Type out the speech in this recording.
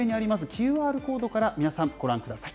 ＱＲコードから皆さん、ご覧ください。